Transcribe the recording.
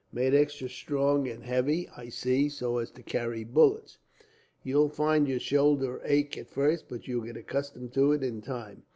"Made extra strong and heavy, I see, so as to carry bullets. You'll find your shoulder ache, at first; but you'll get accustomed to it, in time.